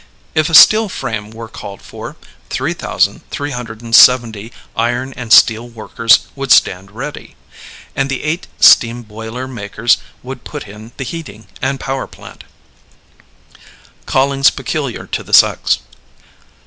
If a steel frame were called for, 3,370 iron and steel workers would stand ready; and the eight steam boiler makers would put in the heating and power plant. CALLINGS PECULIAR TO THE SEX.